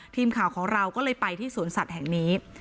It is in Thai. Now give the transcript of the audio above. ทีมข่าวของเราก็เลยไปที่สวนสัตว์แห่งนี้